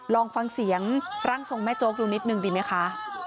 ลองฟังเสียงร่างทรงแม่โจ๊กดูนิดนึงดีไหมคะ